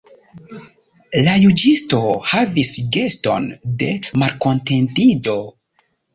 La juĝisto havis geston de malkontentiĝo.